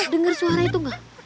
dengar suara itu gak